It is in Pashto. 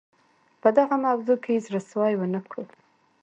په دغه موضوع کې زړه سوی ونه کړو.